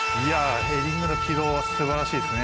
ヘディングの軌道、すばらしいですね。